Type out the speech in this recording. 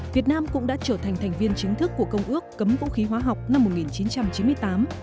việt nam cũng đã trở thành thành viên chính thức của công ước cấm vũ khí hóa học năm một nghìn chín trăm chín mươi tám